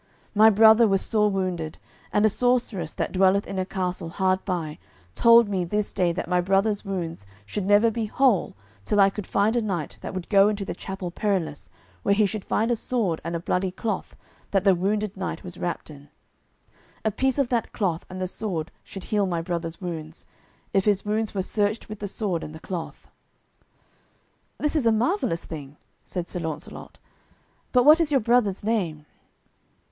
My brother was sore wounded, and a sorceress that dwelleth in a castle hard by told me this day that my brother's wounds should never be whole till I could find a knight that would go into the Chapel Perilous where he should find a sword and a bloody cloth that the wounded knight was wrapped in. A piece of that cloth and the sword should heal my brother's wounds, if his wounds were searched with the sword and the cloth." "This is a marvellous thing," said Sir Launcelot, "but what is your brother's name?"